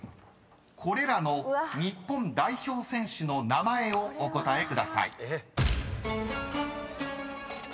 ［これらの日本代表選手の名前をお答えください］